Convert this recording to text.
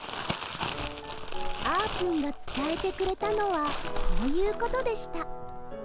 あーぷんがつたえてくれたのはこういうことでした。